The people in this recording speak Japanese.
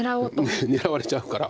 狙われちゃうから。